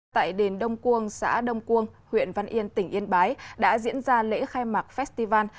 tại đền đông cuông xã đông cuông huyện văn yên tỉnh yên bái đã diễn ra lễ khai mạc festival